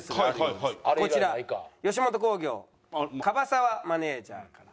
こちら吉本興業樺澤マネージャーから。